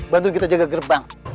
bantu kita jaga gerbang